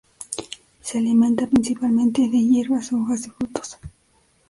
Se alimenta principalmente de hierbas, hojas y frutos.